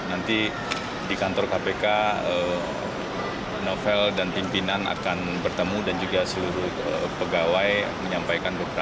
nanti di kantor kpk novel dan pimpinan akan bertemu dan juga seluruh pegawai menyampaikan beberapa hal